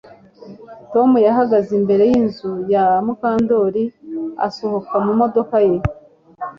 Tom yahagaze imbere yinzu ya Mukandoli asohoka mu modoka ye